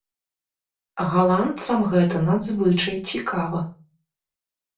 Галандцам гэта надзвычай цікава.